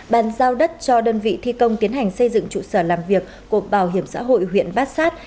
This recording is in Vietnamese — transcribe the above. bàn giao đất cho đơn vị thi công tiến hành xây dựng trụ sở làm việc của bảo hiểm xã hội huyện bát sát